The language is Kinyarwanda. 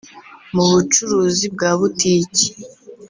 Mu bucuruzi bwa butiki